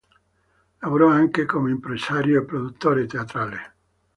Lavorò anche come impresario e produttore teatrale.